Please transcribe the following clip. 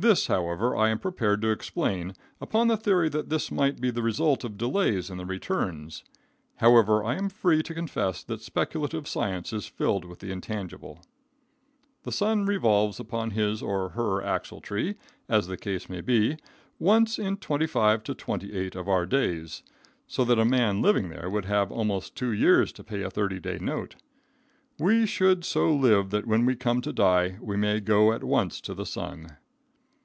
This, however, I am prepared to explain upon the theory that this might be the result of delays in the returns However, I am free to confess that speculative science is filled with the intangible. The sun revolves upon his or her axletree, as the case may be, once in 25 to 28 of our days, so that a man living there would have almost two years to pay a 30 day note. We should so live that when we come to die we may go at once to the sun.